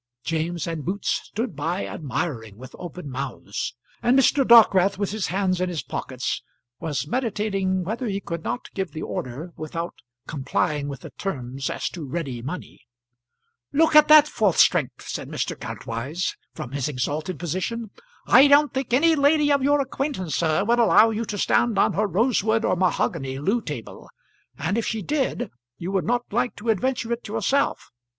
James and Boots stood by admiring, with open mouths, and Mr. Dockwrath, with his hands in his pockets, was meditating whether he could not give the order without complying with the terms as to ready money. [Illustration: "There is nothing like iron, Sir; nothing."] "Look at that for strength," said Mr. Kantwise from his exalted position. "I don't think any lady of your acquaintance, sir, would allow you to stand on her rosewood or mahogany loo table. And if she did, you would not like to adventure it yourself.